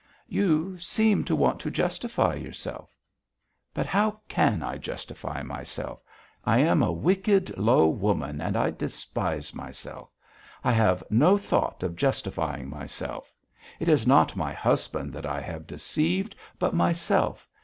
"You seem to want to justify yourself." "How can I justify myself? I am a wicked, low woman and I despise myself. I have no thought of justifying myself. It is not my husband that I have deceived, but myself.